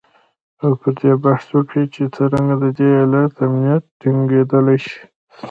او پر دې بحث وکړي چې څرنګه د دې ایالت امنیت ټینګیدلی شي